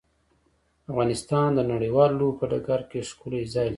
افغانستان د نړیوالو لوبو په ډګر کې ښکلی ځای لري.